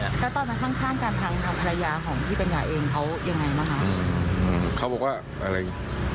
แล้วตอนนั้นข้างการพังคำภรรยาของพี่ปัญญาเองเขายังไงบ้างคะ